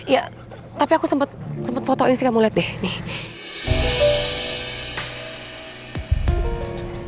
ya tapi aku sempat fotoin sih kamu lihat deh nih